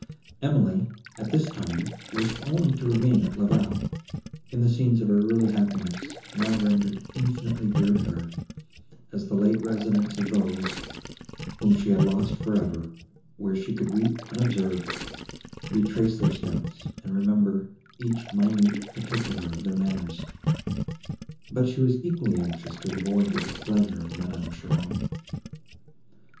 Emily, at this time, wished only to remain at La Vallée, in the scenes of her early happiness, now rendered infinitely dear to her, as the late residence of those, whom she had lost for ever, where she could weep unobserved, retrace their steps, and remember each minute particular of their manners. But she was equally anxious to avoid the displeasure of Madame Cheron.